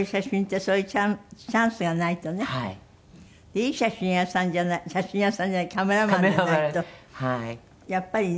いい写真屋さんじゃない「写真屋さん」じゃないカメラマンじゃないとやっぱりね。